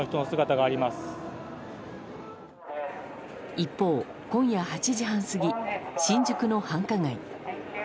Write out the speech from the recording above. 一方、今夜８時半過ぎ新宿の繁華街。